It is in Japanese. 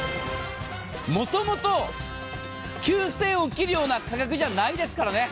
もともと９０００円を切るような価格じゃないですからね。